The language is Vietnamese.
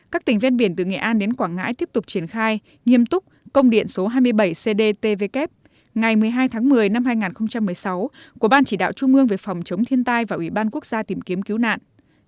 các tỉnh ven biển từ nghệ an đến quảng ngãi tiếp tục triển khai nghiêm túc công điện số hai mươi bảy cdtvk ngày một mươi hai tháng một mươi năm hai nghìn một mươi sáu của ban chỉ đạo trung ương về phòng chống thiên tai và ủy ban quốc gia tìm kiếm cứu nạn